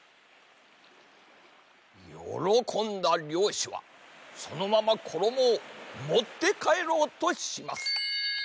よろこんだりょうしはそのままころもをもってかえろうとします。